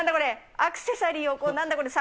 アクセサリーを、なんだこれ、皿？